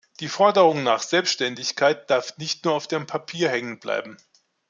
Die Forderung nach Selbständigkeit darf nicht nur auf dem Papier hängen bleiben.